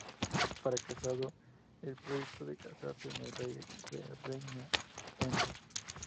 Fracasado el proyecto de casarse con el rey de Cerdeña, Mme.